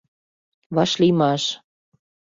ВАШЛИЙМАШ